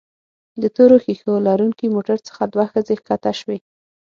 د تورو ښيښو لرونکي موټر څخه دوه ښځې ښکته شوې.